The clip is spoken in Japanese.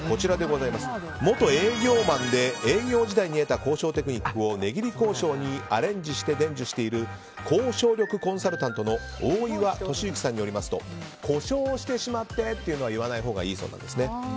元営業マンで営業時代に得た交渉テクニックを値切り交渉にアレンジして伝えている交渉力コンサルタントの大岩俊之さんによりますと故障してしまってというのは言わないほうがいいそうなんです。